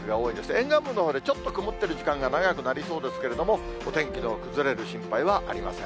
沿岸部のほうでちょっと曇っている時間が長くなりそうですけれども、お天気の崩れる心配はありません。